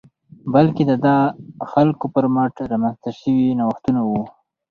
بلکې دا د خلکو پر مټ رامنځته شوي نوښتونه وو